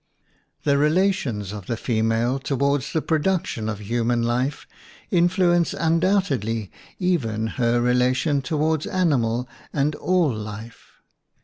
The relations of the female toward the production of human life influence WOMAN AND WAR undoubtedly even her relation toward animal and all life.